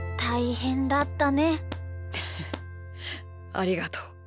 ありがとう。